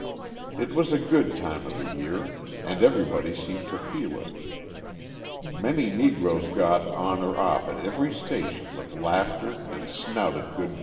It was a good time of the year and everybody seemed to feel it. Many Negroes got on or off at every station with laughter and snouted good byes.